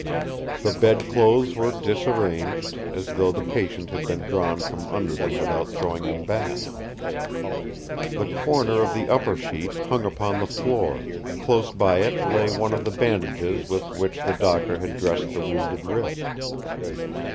The bedclothes were disarranged, as though the patient had been drawn from under them without throwing them back. The corner of the upper sheet hung upon the floor; close by it lay one of the bandages with which the Doctor had dressed the wounded wrist.